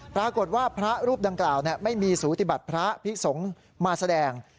ปรากฏว่าพระรูปดังกล่าวไม่มีสูติบัติพระพิสงฆ์มาแสดง